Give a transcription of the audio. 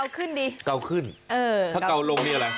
มึงอยากขึ้นหรือลงชนะ